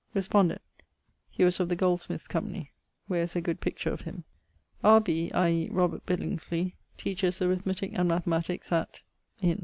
Respondet: He was of the Goldsmiths' Company, where is a good picture of him. R. B., i.e. Robert Billingsley, teaches Arithmetique and Mathematiques at ... in....